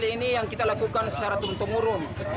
ini yang kita lakukan secara turun temurun